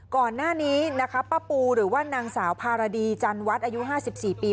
ก่อนหน้านี้นะคะป้าปูหรือว่านางสาวภารดีจันวัฒน์อายุ๕๔ปี